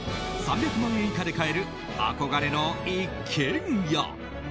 ３００万円以下で買える憧れの一軒家。